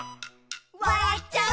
「わらっちゃう」